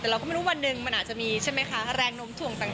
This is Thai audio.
แต่เราก็ไม่รู้วันนึงมันอาจจะมีแรงนมถ่วงต่าง